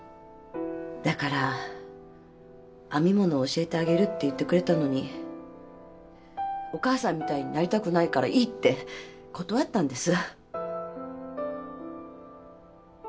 だから編み物教えてあげるって言ってくれたのにお母さんみたいになりたくないからいいって断ったんです。